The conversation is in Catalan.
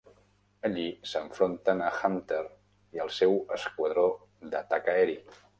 Allí, s'enfronten a Hunter i el seu esquadró d'atac aeri.